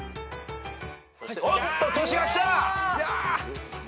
おっとトシがきた！